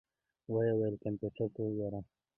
ويې ويل کمپيوټر ته وګوره.